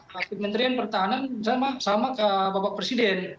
pak kementerian pertahanan sama bapak presiden